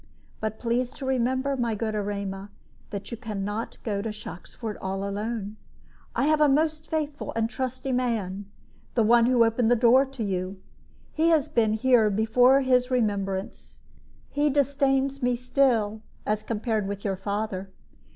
But please to remember, my good Erema, that you can not go to Shoxford all alone. I have a most faithful and trusty man the one who opened the door to you. He has been here before his remembrance. He disdains me still as compared with your father.